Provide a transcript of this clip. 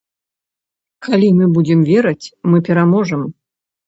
Калі мы будзем верыць, мы пераможам.